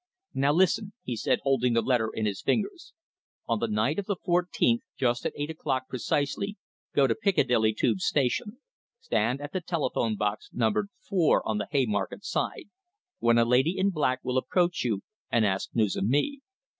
"Now, listen," he said, holding the letter in his fingers; "on the night of the fourteenth, just at eight o'clock precisely, go to the Piccadilly tube station, stand at the telephone box numbered four on the Haymarket side, when a lady in black will approach you and ask news of me.